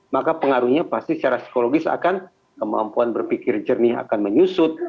maka pengaruhnya pasti secara psikologis akan kemampuan berpikir jernih akan menyusut